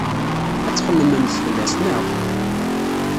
Ad txemmememt fell-as, naɣ?